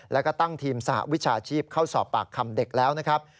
แล้วก็ตั้งทีมสหวิชาชีพเข้าสอบปากคำเด็กแล้วนะครับ